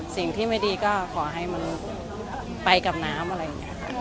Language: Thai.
สิ่งที่ไม่ดีก็ขอให้มันไปกับน้ำอะไรอย่างนี้ค่ะ